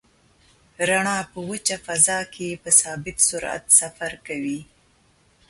رڼا په وچه فضا کې په ثابت سرعت سفر کوي.